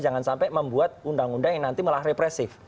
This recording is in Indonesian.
jangan sampai membuat undang undang yang nanti malah represif